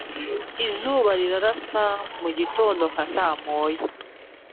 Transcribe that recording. izuba rirasa mu gitondo nka saa moya